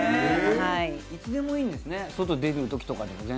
いつでもいいんですね、外出るときとかでも。